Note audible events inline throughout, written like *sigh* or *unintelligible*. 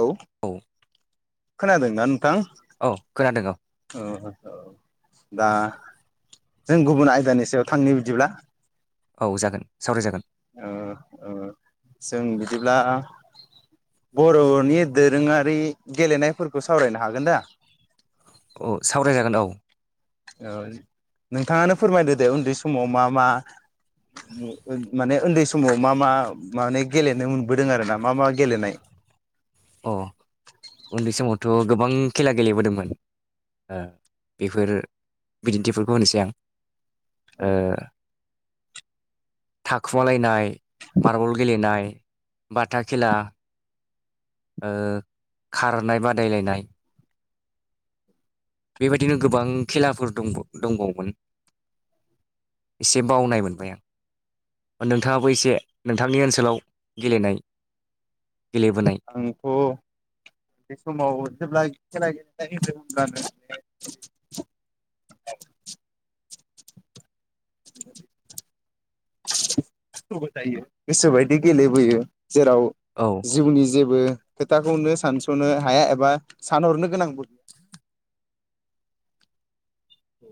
औ खोनादों ना नोंथां औ *unintelligible* खोनादों अ औ दा जों गुबुन आयदानि सायाव थांनि बिदिब्ला औ जागोन सावरायजागोन जों बिदिब्ला बर'नि दोरोङारि गेलेनायफोरखौ सावरायनो हागोन दा औ सावरायजागोन औ औ नोंथाङानो फोरमायदो दे उन्दै समाव मा मा माने उन्दै समाव मा मा माने गेलेनो मोनबोदों आरो ना मा मा गेलेनाय अ उन्दै समावथ गोबां खेला गेलेबोदोंमोन बेफोर बिदिन्थिफोरखौ होनोसै आं ए थाखोमालायनाय मार्बल गेलेनाय बाथा खेला ओ खारनाय बादायलायनाय बेबायदिनो गोबां खेलाफोर दं दंबावोमोन एसे बावनाय मोनबाय आं नोंथाङाबो एसे नोंथांनि ओनसोलाव गेलेनाय गेलेबोनाय आंथ' बे समाव जेब्ला खेला गेल *unintelligible* *inaudible* जायो गोसो बायदि गेलेबोयो जेराव औ जिउनि जेबो खोथाखौनो सानस'नो हाया एबा सानहरनो गोनां *inaudible* औ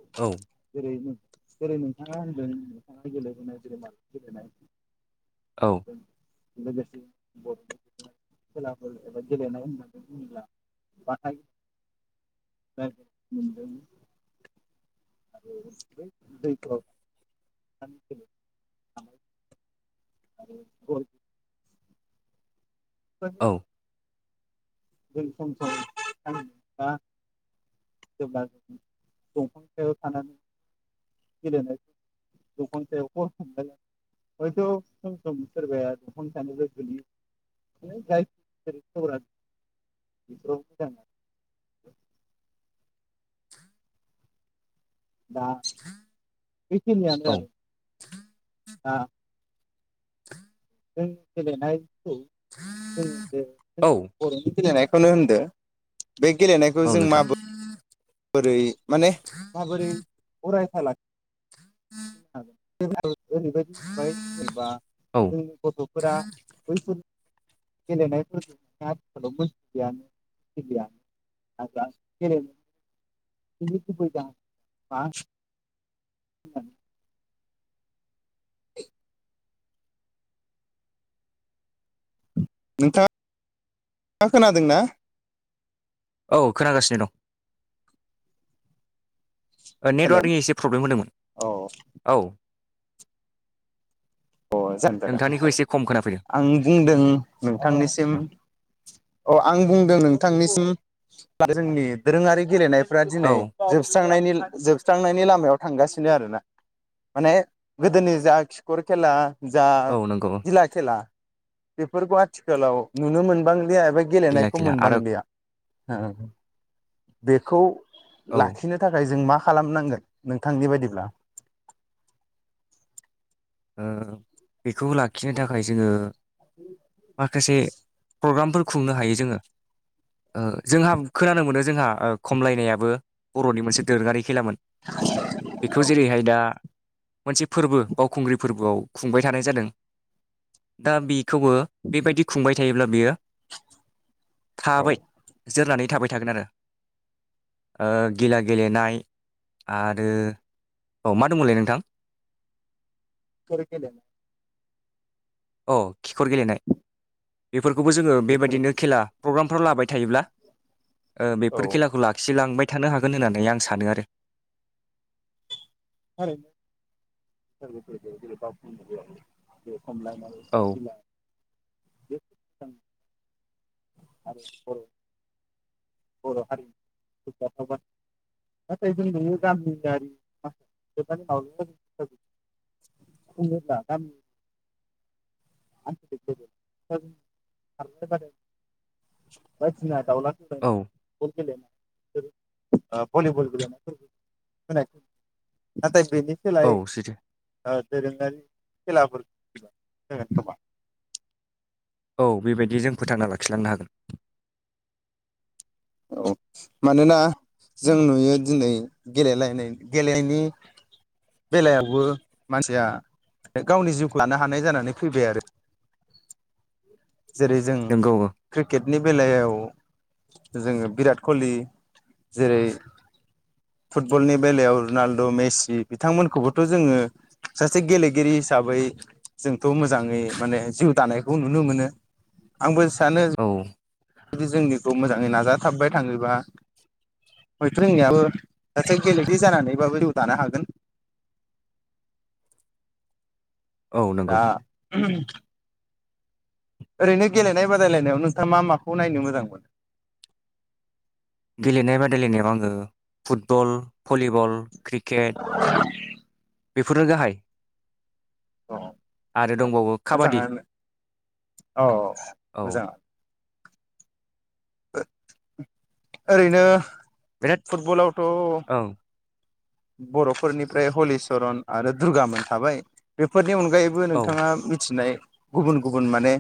जेरै जेरै नोंथाङा होनदों *unintelligible* *unintelligible* औ लोगोसे खेलाफोर एबा गेलेनाय होन होनोब्ला बानाय *unintelligible* *inaudible* *unintelligible* *unintelligible* औ *unintelligible* जों सम समा जेब्ला ज दंफां सायाव थानानै गेलेनाय दंख' सायाव हर हमल हयथ' सम सम सोरबाया दंफां सायानोबो गयो जायख सर *unintelligible* दा बेखिनियानो औ *unintelligible* जों गेलेनायखौ जों औ *unintelligible* थनो होनदो बे गेलेनायखौ औ जों नोंथां माबो बोरै माने माबोरै अरायथा लाखि *inaudible* हागोन *inaudible* ओरैबायदि *inaudible* जेनेबा औ *unintelligible* *unintelligible* *unintelligible* नोंथाङा खोनादों ना औ खोनागासिनो दं हेलौ नेटवार्कनि एसे प्रब्लेम होदोंमोन अ औ अ *inaudible* जाग *inaudible* नोंथांनिखौ जागोन एसे खम खोनाफैदों आं बुंदों नोंथांनिसिम औ अ आं बुंदों नोंथां नोंथांनिसिम जोंनि दोरोङारि गेलेनाय औ दिनै जोबस्रांनायनि *unintelligible* खेला जा औ नंगौ गिला खेला बेफोरखौ आथिखालाव नुनो मोनबांलिया एबा बै गिला गेलेनायखौ गिला आरो मोनबांलिया औ हो बेखौ ओ लाखिनो थाखाय जों मा खालामनांगोन नोंथांनि बायदिब्ला ओ बेखौ लाखिनो थाखाय जोङो माखासे प्रग्रामफोर खुंनो हायो जोङो ओ जोंहा खोनानो मोनो जोंहा खमलायनायाबो बर'नि मोनसे दोरोङारि खेलामोन बेखौ जेरैहाय दा मोनसे फोरबो बाव खुंग्रि फोरबोआव खुंबाय थानाय जादों दा बेखौबो बेबायदि खुंबाय थायोब्ला बियो औ थाबाय जोरनानै थाबाय थागोन आरो ओ गिला गेलेनाय आरो औ मा दंमोनलै नोंथां *unintelligible* अ खिखर गेलेनाय बे फोरफोरखौबो जोङो बेफोर बेबायदिनो खेला प्रग्राम फराव लाबाय थायोब्ला ओ औ बेफोर खेलाखौ लाखिलांबाय थानो हागोन होननानै आं सानो आरो म *unintelligible* औ *unintelligible* बे आरो औ बर' हारिजाथावानो नाथाय जों नुयो गामियारि माख म बुङोब्ला गामि आनसकार *unintelligible* बायदिना दावला खुंगुर औ फुटबल गेलेनाय भलिबल गे नाथाय बेनि सोलाय औ सैथो ओ दोरोङारि खेलाफोर जागोन खोमा औ बेबायदि जों फोथांना लाखिलांनो हागोन औ मानोना जों नुयो दिनै गेलनाय गेलेनायनि बेलायावबो मानसिया गावनि जिउखौ लानो हानाय जानानै फैबाय आरो जेरै जों नोंगौ क्रिकेट नि बेलायाव जोङो बिराट कलि जेरै फुटबलनि बेलायाव रुनालद' मेसि बिथांमोनखौबोथ' जोङो सासे गेलेगिरि हिसाबै जोंथ' मोजाङै माने जिउ दानायखौ नुनो मोनो आंबो सानो औ जुदि जोंनिखौ मोजाङै नाजाथाबबाय थाङोबा हयथ' जोंनियाबो सासे गेलेगिरि जानानैबाबो जिउ दानो हागोन औ नंगौ दा *inaudible* ओरैनो गेलेनाय बादायलायनायाव नोंथाङा मा माखौ नायनो मोजां मोनो गेलेनाय बादायलायनायाव आङो फुटबल भलिबल क्रिकेट बेफोरनो गाहाय अ आरो दंबावो काबादि मोजाङानो अ अ औ मोजाङानो ओरैनो बिराद फुटबल आवथ औ बर'फोरनिफ्राय हलिचरन आरो दुर्गा मोन थाबाय बेफोर बेनि अनगायैबो औ नोंथाङा मिथिनाय गुबुन गुबुन माने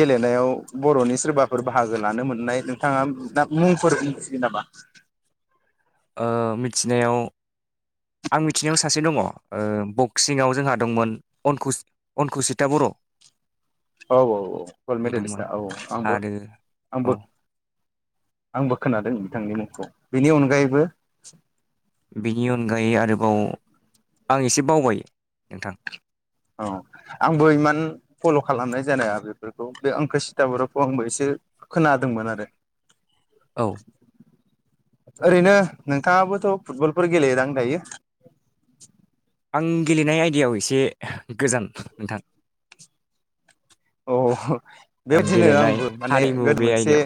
गेलेनायाव बर'नि सोरबाफोर बाहागो लानो मोननाय नोंथाङा दा मुंफोर मिथियो नामा ओ मिथिनायाव आं मिथिनायाव सासे दङ बक्सिंआव जोंहा दंमोन अनकु अनकुसिता बर' औ औ औ गल्ड बे मेडेलिस्टआ दंमोन औ औ आंबो आरो औ आंबो आंबो खोनादों बिथांनि मुंखौ बेनि अनगायैबो बिनि अनगायै आरोबाव आं एसे बावबाय नोंथां औ आंबो इमान फल' खालामनाय जानाया बेफोरखौ बे आंखोसिता बर'खौ आंबो एसे खोनादोंमोन आरो औ ओरैनो नोंथाङाबोथ' फुटबलफोर गेलेदां दायो आं गेलेनाय आयदायाव एसे गोजान नोंथां अ बेबायदिनो गेलेनाय आंबो माने हारिमु गोदो बे मोनसे आयदायाव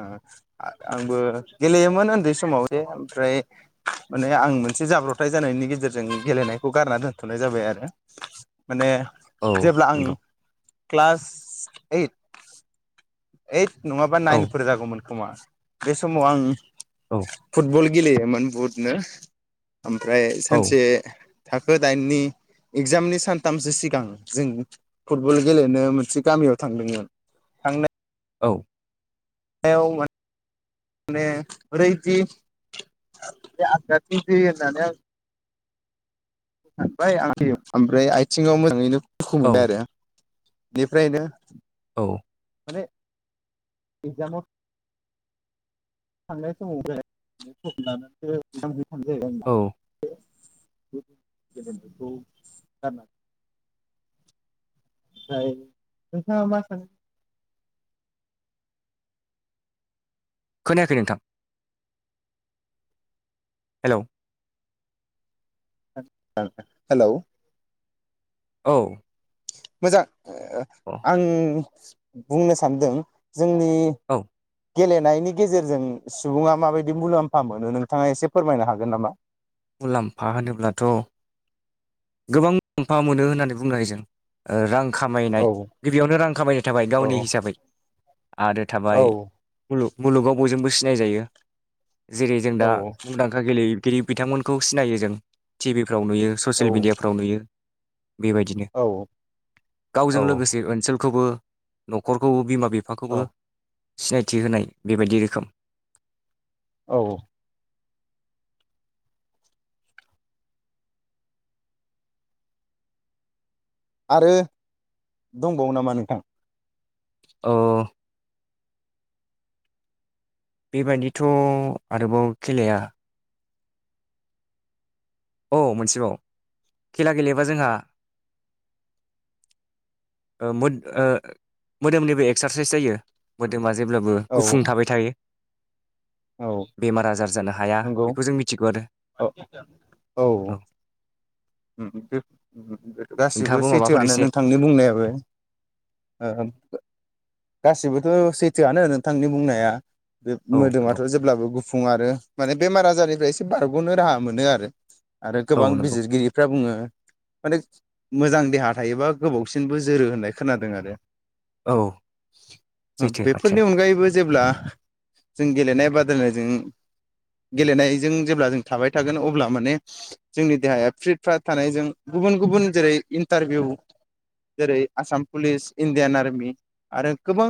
ओ आंबो गेलेयोमोन उन्दै समाव जे ओमफ्राय माने आं मोनसे जाब्रबथाय जानायनि गेजेरजों गेलेनायखौ गारना दोनथ'नाय जाबाय आरो माने औ जेब्ला आं नंगौ क्लास ओइट ओइट नङाबा औ नाइनफोर जागौमोन खोमा बे समाव आं औ फुटबल गेलेयोमान बुहुतनो ओमफ्राय औ सानसे थाखो दाइननि इगजामनि सानथामसो सिगां जों फुटबल गेलेनो मोनसे गामियाव थांदोंमोन थांनाय औ *unintelligible* माने ब्रैजि आगदाथिं जोयो होननानै आं *unintelligible* दुखु मोनो औ आरो बेफ्रायनो औ माने एक्जामाव *unintelligible* औ *unintelligible* *inaudible* ओमफ्राय नोंथाङा मा सानो खोनायाखै नोंथां हेलौ हेल' औ मोजां अ ओ बुंनो सानदों जोंनि औ गेलेनायनि गेजेरजों सुबुङा माबायदि मुलाम्फा मोनो नोंथाङा एसे फोरमायनो हागोन नामा? मुलाम्फा होनोब्लाथ' गोबां मुलाम्फा मोनो होननानै बुंनो हायो जों ओ रां खामायनाय औ गिबियावनो रां खामायनाय थाबाय औ गावनि हिसाबै आरो थाबाय औ खुलु मुलुगाव बयजोंबो सिनायजायो। जेरै जों दा मुंदांखा गेलेयो बिथांमोनखौ सिनायो जों टि भि फोराव नुयो औ ससियेल मेडिया नुयो बेबायदिनो औ गावजों औ लोगोसे ओनसोलखौबो न'खरखौबो बिमा बिफाखौबो औ सिनायथि होनाय बेबायदि रोखोम औ आरो दंबावो नामा नोंथां? औ बेबायदिथ' आरोबाव खेलाया औ मोनसेबाव खेला गेलेबा जोंहा ओ मोदो ओ जेब्लाबो औ गुफुं थाबाय थायो। औ बेमार आजार जानो हाया नंगौ बेखौ जों मिथिगौ आरो औ उम उम गासिबो नोंथाङाबो माबाफोर सैथोआनो एसे नोंथांनि बुंनायाबो ओ ओ गासिबोथ' सैथोआनो नोंथांनि बुंनाया। बे औ नंगौ मोदोमाथ' जेब्लाबो गुफुं आरो माने बेमार आजारनिफ्राय एसे बारग'नो राहा मोनो आरो आरो गोबां औ नंगौ बिजिरगिरि बुङो माने मोजां देहा थायोबा गोबावसिनबो जोरो होननाय खोनादों आरो। औ सैथो बाथ्राया बेफोरनि अनगायैबो जेब्ला जों गेलेनाय बादायनायजों गेलेनायजों जेब्ला जों थाबाय थागोन अब्ला माने जोंनि देहाया फ्रिट फ्रा थानायजों गुबुन गुबुन जेरै इन्टारभिउ जेरै आसाम पुलिस इण्डियान आर्मि आरो गोबां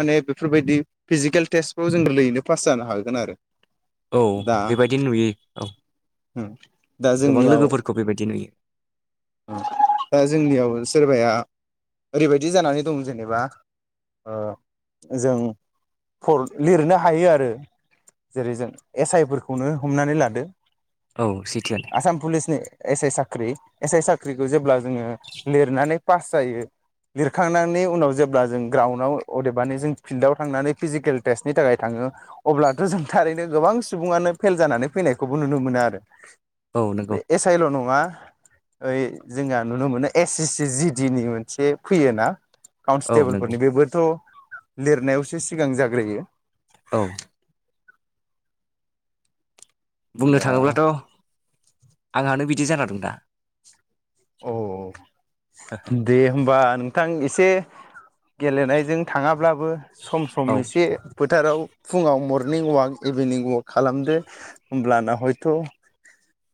माने बेफोरबायदि फिजिकेल टेसफ्राव जों गोरलैयैनो पास जानो हागोन आरो। औ दा बेबायदि नुयो औ दा गोबां जोंनियाव लोगोफोरखौ बेबाय दि नुयो दा जोंनियाव सोरबाया ओरैबायदि जानानै दं जेनेबा ओ जों फर लिरनो हायो आरो जेरै जों एस आइ फोरखौनो हमनानै लादो औ सैथोयानो आसाम पुलिसनि एस आइ साख्रि एस आइ साख्रिखौ जेब्ला जोङो लिरनानै पास जायो लिरखांनायनि उनाव जेब्ला जों ग्राउन्डआव अदेबानि जों फिल्डआव थांनानै फिजिकेल टेस्टनि थाखाय थाङो अब्लाथ' जों थारैनो गोबां सुबुङानो फेल जानानै फैनायखौबो नुनो मोनो आरो। औ नंगौ बे एस आइ ल' नङा ओइ जोंहा नुनो मोनो S S C G D नि मोनसे फैयो ना औ नंगौ काउनस्टेबोलफोरनि बेबोथ' लिरनायावसो सिगां जाग्रोयो औ बुंनो दा थाङोब्लाथ' आंहानो बिदि जाना दं दा। औ दे होमबा नोंथां ए से गेलेनायजों थाङाब्लाबो सम सम औ एसे फोथाराव फुङाव मर निं अवाक इभिनिं वक खालामदो होमब्लाना हयथ'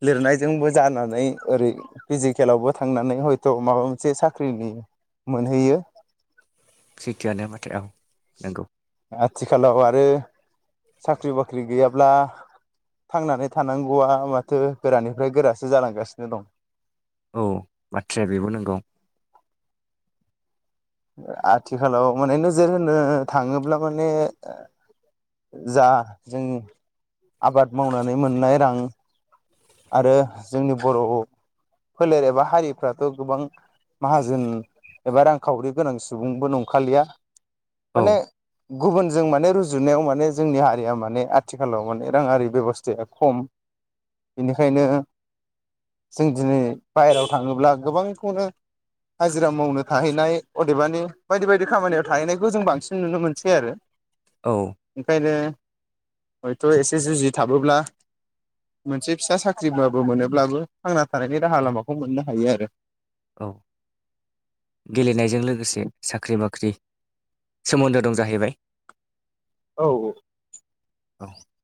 लिरनायजोंबो जानानै ओरै फिजि केलावबो थांनानै हयथ' माबा मोनसे साख्रिनि मोनहैयो सेखिआनो माथौ औ। नोंगौ आथिखालाव आरो साख्रि बाख्रि गैयाब्ला थांनानै थानांगौआ माथो गोरानिफ्राय गोरासो जालांगासिनो दं। औ बाथ्राया बेबो नोंगौ ओ आथिखालाव माने नोजोर होनो थाङोब्ला माने जा जों आबाद मावनानै मोननाय रां आरो जोंनि बर' फोलेर एबा हारिफ्राथ' गोबां माहाजोन एबा रांखावरि गोनां सुबुंबो नंखालिया। औ माने गुबुनजों माने रुजुनायाव माने जोंनि हारिया माने आथिखालाव माने राङारि बेबस्थाया खम बिनिखायनो जों दिनै बायेरायाव थाङोब्ला गोबांखौनो हाजिरा मावनो थाहैनाय अदेबानि बायदि बायदि खामानियाव थाहैनायखौ जों बांसिन नुनो मोनसै आरो। औ ओंखायनो हयथ' एसे जुजि थाबोब्ला मोनसे फिसा साख्रिबाबो मोनोब्लाबो थांना थानायनि राहा औ लामाखौ मोननो हायो आरो। औ गेलेनायजों लोगोसे साख्रि बाख्रि सोमोन्दो दं जाहैबाय औ औ औ